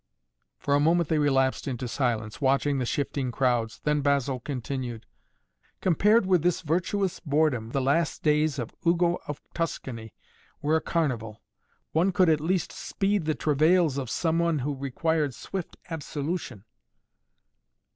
For a moment they relapsed into silence, watching the shifting crowds, then Basil continued: "Compared with this virtuous boredom the last days of Ugo of Tuscany were a carnival. One could at least speed the travails of some one who required swift absolution."